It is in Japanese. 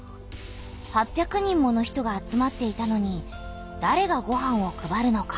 ８００人もの人が集まっていたのにだれがごはんを配るのか？